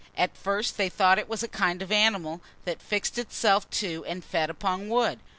At first they thought it a kind of animal, that fixed itself to and fed upon wood.